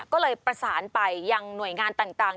ก็เลยประสานไปยังหน่วยงานต่าง